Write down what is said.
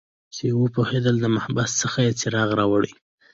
چې وپوهیدل د محبس څخه یې څراغ راوړي